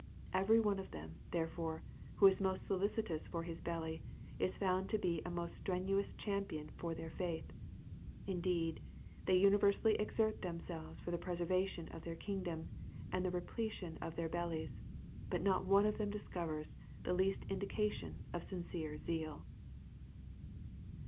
Every one of them, therefore, who is most solicitous for his belly, is found to be a most strenuous champion for their faith. Indeed, they universally exert themselves for the preservation of their kingdom, and the repletion of their bellies; but not one of them discovers the least indication of sincere zeal.